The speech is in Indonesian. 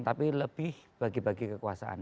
tapi lebih bagi bagi kekuasaan